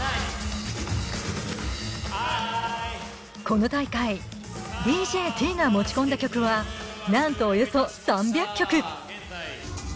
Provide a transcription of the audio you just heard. この大会ＤＪＴＥＥが持ち込んだ曲はなんと、およそ３００曲。